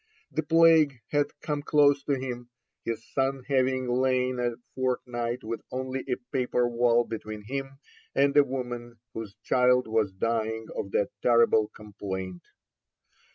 The plague had come close to him, his son having lain a fortnight with only a paper wall between him and a woman whose child was dying of that terrible complaint.